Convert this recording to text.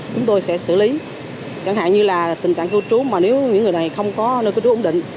chúng tôi sẽ xử lý chẳng hạn như là tình trạng cư trú mà nếu những người này không có nơi cư trú ổn định